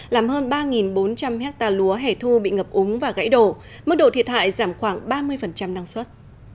làm hơn ba bốn trăm linh hectare lúa hẻ thu bị ngập úng và gãy đổ mức độ thiệt hại giảm khoảng ba mươi năng suất